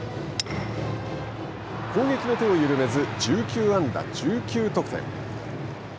攻撃の手を緩めず１９安打１９得点。